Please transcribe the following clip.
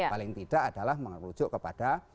paling tidak adalah merujuk kepada